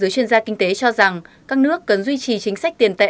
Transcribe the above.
các nước cần duy trì chính sách tiền tệ